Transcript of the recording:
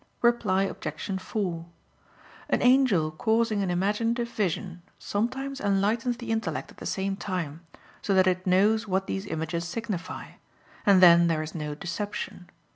Reply Obj. 4: An angel causing an imaginative vision, sometimes enlightens the intellect at the same time, so that it knows what these images signify; and then there is no deception.